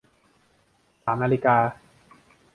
สามนาฬิกา